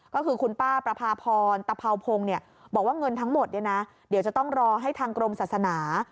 ก็คือคุณป้าประพาพรตะเภาพงศ์บอกว่าเงินทั้งหมดเดี๋ยวจะต้องรอให้ทางกรมศาสนา